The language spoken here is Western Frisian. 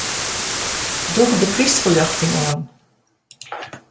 Doch de krystferljochting oan.